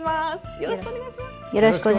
よろしくお願いします。